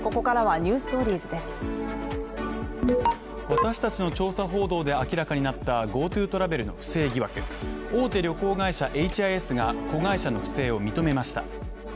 私達の調査報道で明らかになったＧｏＴｏトラベルの不正疑惑、大手旅行会社ＨＩＳが子会社の不正を認めました。